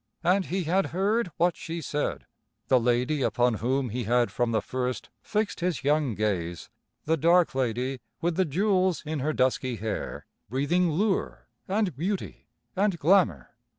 And he had heard what she said, the lady upon whom he had from the first fixed his young gaze, the dark lady, with the jewels in her dusky hair, breathing lure and beauty and glamour.